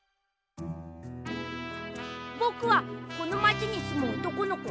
ぼくはこのまちにすむおとこのこ。